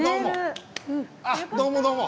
あっどうもどうも。